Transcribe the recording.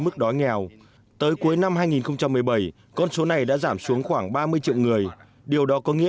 mức đói nghèo tới cuối năm hai nghìn một mươi bảy con số này đã giảm xuống khoảng ba mươi triệu người điều đó có nghĩa